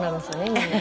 みんな。